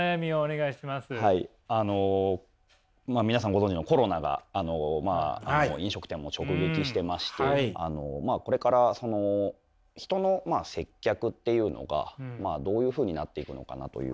ご存じのコロナがまあ飲食店も直撃してましてこれから人の接客っていうのがどういうふうになっていくのかなというか。